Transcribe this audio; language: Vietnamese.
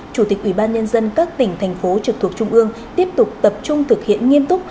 chủ tịch ủy ban nhân dân các tỉnh thành phố trực thuộc trung ương tiếp tục tập trung thực hiện nghiêm túc